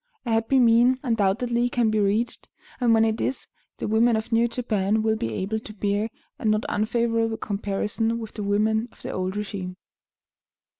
A happy mean undoubtedly can be reached; and when it is, the women of new Japan will be able to bear a not unfavorable comparison with the women of the old régime.